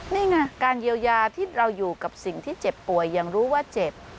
นี่ไงการเยียวยาที่เราอยู่กับสิ่งที่เจ็บป่วยยังรู้ว่าเจ็บ